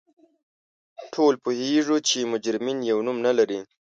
ټول پوهیږو چې مجرمین یو نوم نه لري